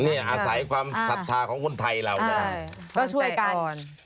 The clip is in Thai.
นี่อาศัยความศรัทธาของคนไทยเรานะฮะก็ช่วยกัน